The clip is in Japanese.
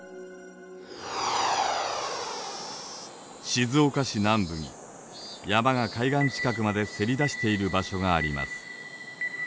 静岡市南部に山が海岸近くまでせり出している場所があります。